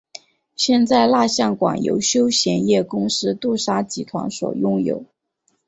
现在蜡像馆由休闲业公司杜莎集团所拥有。